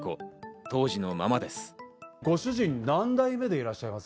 当時のままです。